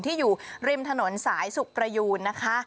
อยู่ริมถนนสายสุขประยูนนะคะ